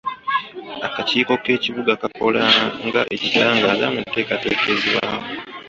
Akakiiko k'ekibuga kakola nga ekitangaaza mu nteekateeka ezibaawo.